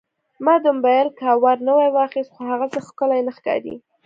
ما د موبایل کاور نوی واخیست، خو هغسې ښکلی نه ښکاري.